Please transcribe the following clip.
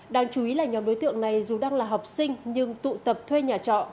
đáng chú ý là nhóm đối tượng này dù đang là học sinh nhưng tụ tập thuê nhà trọ